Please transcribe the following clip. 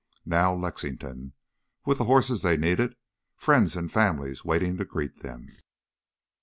Now Lexington with the horses they needed friends and families waiting to greet them.